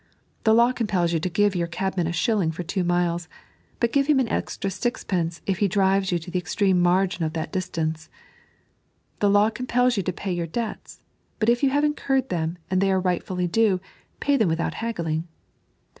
The law compels you to give your cabman a shilling for two miles; but ^ve him an extra Bixpencfl, if he driven you to the extreme margin of that distance. The law compels you to pay your debts ; but if you have incurred them, and they are rightfully due, pay them without haggling.